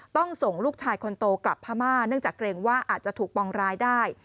ส่งลูกชายคนโตกลับพม่าเนื่องจากเกรงว่าอาจจะถูกปองร้ายได้